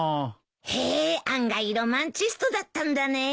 へえ案外ロマンチストだったんだね。